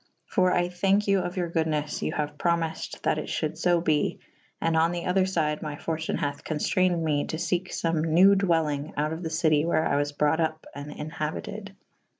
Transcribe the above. For I thanke you of your goodnes you haue promyfed that it fhulde fo be /& on the other lyde my fortune hath conftrayned me to feke fome newe dwellj ng out of the citie where I was brought vp and enhabyted.